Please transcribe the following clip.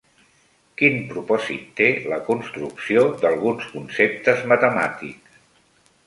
Quin propòsit té la construcció d'alguns conceptes matemàtics?